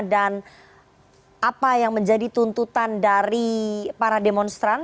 dan apa yang menjadi tuntutan dari para demonstran